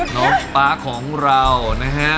ที่ลุงป่าของเรานะฮะ